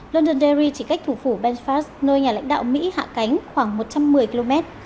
londonderry chỉ cách thủ phủ belfast nơi nhà lãnh đạo mỹ hạ cánh khoảng một trăm một mươi km